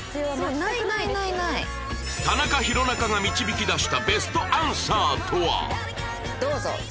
田中・弘中が導き出したベストアンサーとは！？